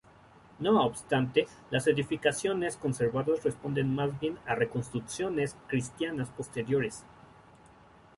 No obstante, las edificaciones conservadas responden más bien a reconstrucciones cristianas posteriores.